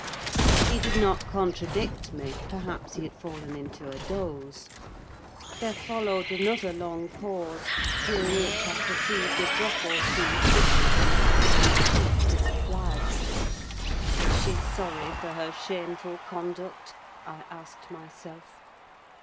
He did not contradict me; perhaps he had fallen into a doze. There followed another long pause, during which I perceived a drop or two trickle from Catherine's cheek to the flags. Is she sorry for her shameful conduct?—I asked myself.